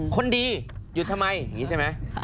คนดีหยุดทำไมอย่างนี้ใช่ไหม